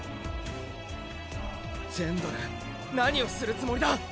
ジェンドル何をするつもりだ！？